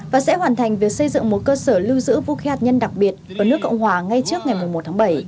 và sẽ hoàn thành việc xây dựng một cơ sở lưu giữ vũ khí hạt nhân đặc biệt ở nước cộng hòa ngay trước ngày một mươi một tháng bảy